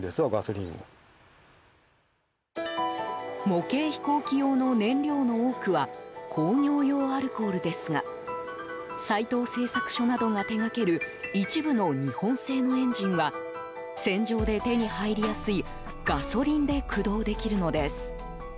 模型飛行機用の燃料の多くは工業用アルコールですが斎藤製作所などが手掛ける一部の日本製のエンジンは戦場で手に入りやすいガソリンで駆動できるのです。